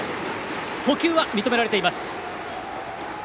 捕球は認められています。